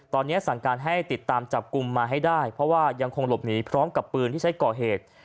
ตอนนี้สั่งการให้ติดตามจับกลุ่มมาให้ได้เพราะว่ายังคงหลบหนีพร้อมกับปืนที่ใช้ก่อเหตุ